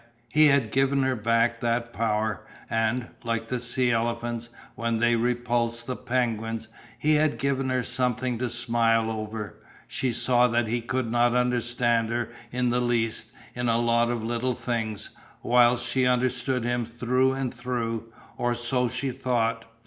He had given her back that power and, like the sea elephants when they repulsed the penguins, he had given her something to smile over. She saw that he could not understand her in the least in a lot of little things, whilst she understood him through and through or so she thought.